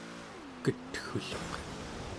ketgulleq